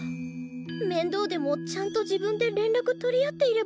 面倒でもちゃんと自分で連絡取り合っていればよかった。